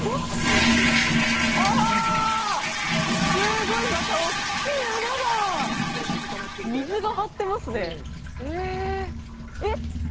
すごいまたおっきい穴だ水が張ってますねへええっ